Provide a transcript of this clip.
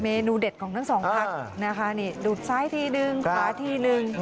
เนนูเด็ดของทั้งสองพักนะคะนี่ดูดซ้ายทีนึงขาทีนึง